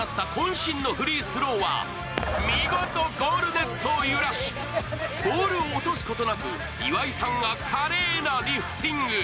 身のフリースローは見事にゴールネットを捉えボールを落とすことなく岩井さんが華麗なリフティング。